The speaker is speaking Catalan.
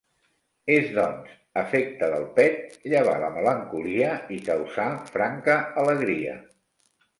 És, doncs, efecte del pet, llevar la melancolia i causar franca alegria.